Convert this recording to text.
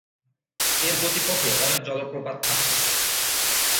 এর গতিপথে অনেক জলপ্রপাত আছে।